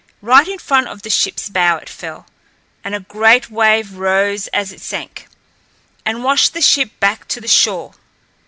Right in front of the ship's bow it fell, and a great wave rose as it sank, and washed the ship back to the shore.